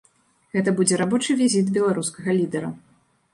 Гэта будзе рабочы візіт беларускага лідара.